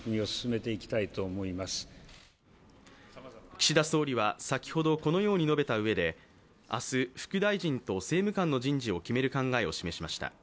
岸田総理は先ほどこのように述べたうえで明日、副大臣と政務官の人事を決める考えを示しました。